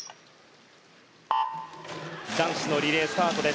男子のリレー、スタートです。